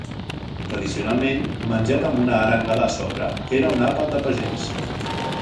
Tradicionalment, menjat amb una arengada a sobre, era un àpat de pagès.